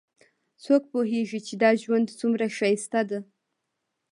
څوک پوهیږي چې دا ژوند څومره ښایسته ده